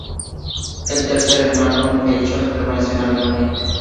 El tercer hermano, Melchior, permaneció en Alemania.